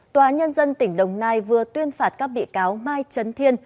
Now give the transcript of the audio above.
tòa nhân dân tỉnh đồng nai vừa tuyên phạt các bị cáo mai trấn thiên